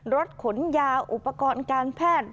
รถขนยาอุปกรณ์การแพทย์